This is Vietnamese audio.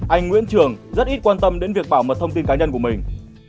anh nguyễn trường rất ít quan tâm đến việc bảo mật thông tin cá nhân của mình